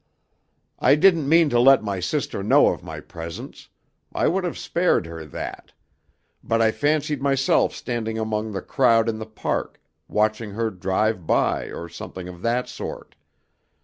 "I didn't mean to let my sister know of my presence I would have spared her that but I fancied myself standing among the crowd in the Park, watching her drive by, or something of that sort.